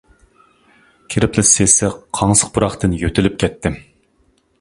كىرىپلا سېسىق، قاڭسىق پۇراقتىن يۆتىلىپ كەتتىم.